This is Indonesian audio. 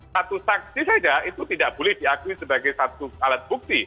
satu saksi saja itu tidak boleh diakui sebagai satu alat bukti